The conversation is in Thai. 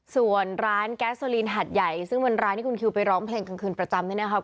ส่วนร้านแก๊สโซลีนหัดใหญ่ซึ่งเป็นร้านที่คุณคิวไปร้องเพลงกลางคืนประจำเนี่ยนะครับ